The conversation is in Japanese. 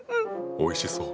おいしそう。